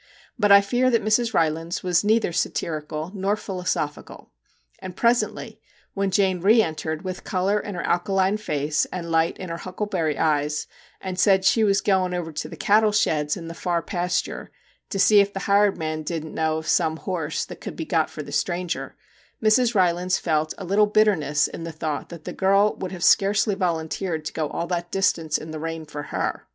But I fear that Mrs. Ry lands was neither satirical nor philo sophical, and presently, when Jane re entered with colour in her alkaline face and light in her huckleberry eyes, and said she was going over to the cattle sheds in the ' far pasture ' to see if the hired man didn't know of some horse that could be got for the stranger, Mrs. Ry lands felt a little bitterness in the thought that the girl would have scarcely volunteered to go all that distance in the rain for her.